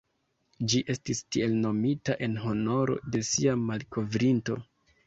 Ĝi estis tiel nomita en honoro de sia malkovrinto.